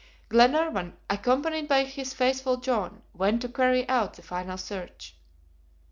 Glenarvan, accompanied by his faithful John, went to carry out the final search.